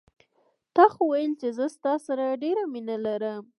تا خو ویل چې زه ستا سره ډېره مینه لرم